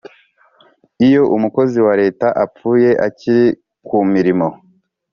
iyo umukozi wa leta apfuye akiri ku mirimo,